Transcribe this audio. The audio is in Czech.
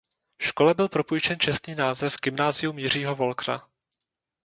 Škole byl propůjčen čestný název Gymnázium Jiřího Wolkera.